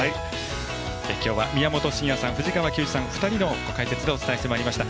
今日は、宮本慎也さん藤川球児さん２人の解説でお伝えしてまいりました。